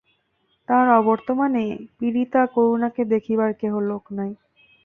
তাহার অবর্তমানে পীড়িতা করুণাকে দেখিবার কেহ লোক নাই।